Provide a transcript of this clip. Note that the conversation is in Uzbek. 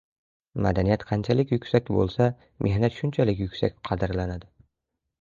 Madaniyat qanchalik yuksak bo‘lsa, mehnat shunchalik yuksak qadrlanadi.